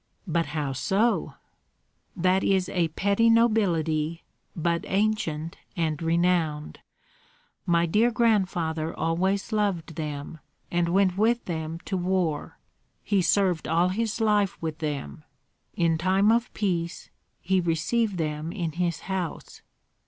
"But how so?" "That is a petty nobility, but ancient and renowned. My dear grandfather always loved them, and went with them to war. He served all his life with them. In time of peace he received them in his house.